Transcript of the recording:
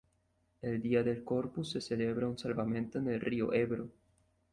El día del Corpus se celebra un salvamento en el río Ebro.